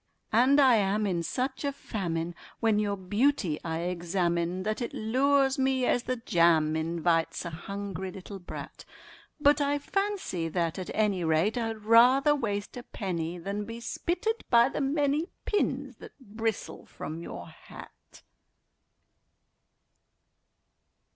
And I am in such a famine when your beauty I examine That it lures me as the jam invites a hungry little brat; But I fancy that, at any rate, I'd rather waste a penny Than be spitted by the many pins that bristle from your hat.